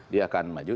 dia akan maju